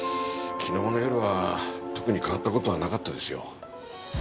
昨日の夜は特に変わった事はなかったですよ。